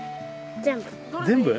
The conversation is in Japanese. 全部。